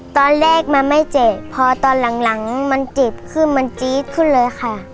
ตอนแรกมันไม่เจ็บพอตอนหลังมันเจ็บขึ้นมันจี๊ดขึ้นเลยค่ะ